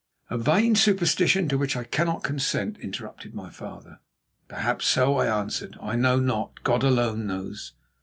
"A vain superstition to which I cannot consent," interrupted my father. "Perhaps so," I answered. "I know not; God alone knows.